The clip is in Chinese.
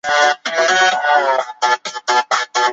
哈柏法对于制造化肥和炸药很重要。